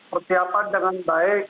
persiapan dengan baik